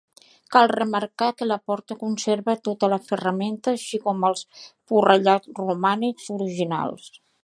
Cal remarcar que la porta conserva tota la ferramenta així com els forrellats romànics originals.